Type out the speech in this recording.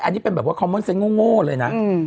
แต่อันนี้เป็นแบบว่าคอมเมินเซีย์โง่เลยนะ